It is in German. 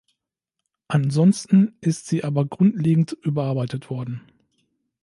Ansonsten ist sie aber grundlegend überarbeitet worden.